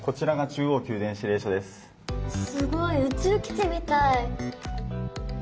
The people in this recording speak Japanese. すごい宇宙基地みたい。